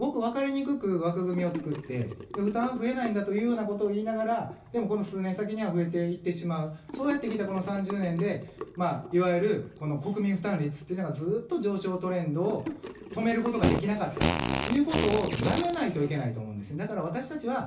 ただ、なんか、この、すごく分かりにくく枠組みを作って、負担増えないんだというふうなことを言いながら、でもこの数年先には増えていってしまう、そうやってきたこの３０年で、いわゆる国民負担率っていうのがずーっと上昇トレンドを止めることができなかったということをやめないといけないと思うんですね。